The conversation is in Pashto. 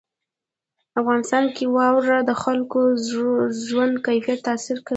افغانستان کې واوره د خلکو د ژوند کیفیت تاثیر کوي.